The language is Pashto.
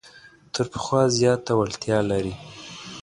تر پخوا زیاته وړتیا لري.